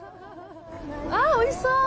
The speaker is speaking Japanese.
おいしそう！